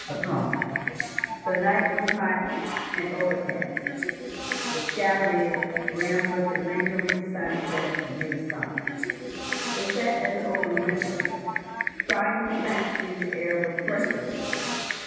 THE CONE The night was hot and overcast, the sky red, rimmed with the lingering sunset of mid summer. They sat at the open window, trying to fancy the air was fresher there.